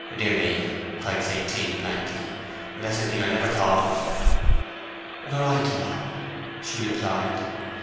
'Dear me,' cried St. Cleeve, blankly. 'That's a thing I never thought of.' 'Nor I, till now,' she replied.